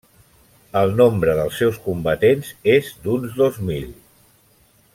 El nombre dels seus combatents és d'uns dos mil.